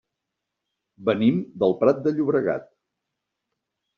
Venim del Prat de Llobregat.